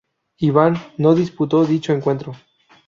Iván no disputo dicho encuentro.